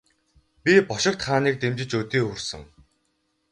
Би бошигт хааныг дэмжиж өдий хүрсэн.